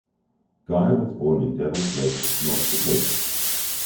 Guy was born in Devils Lake, North Dakota.